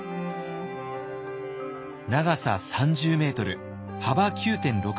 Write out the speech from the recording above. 長さ３０ｍ幅９．６ｍ。